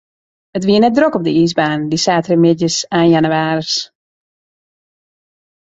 It wie net drok op de iisbaan, dy saterdeitemiddeis ein jannewaris.